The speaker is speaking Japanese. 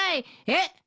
えっ！？